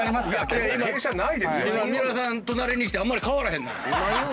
今三浦さん隣に来てあんまり変わらへんな。